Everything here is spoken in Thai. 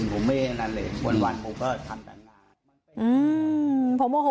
ผมไม่เอานานเหล่นหวานผมก็